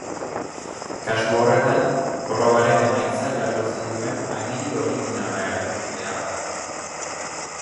Kasu horretan, probaren emaitza jasotzen duen agiri originala erakutsi behar da.